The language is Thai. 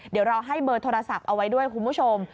เดี๋ยวเราให้เบอร์โทรศัพท์เอาไว้ด้วยคุณผู้ชม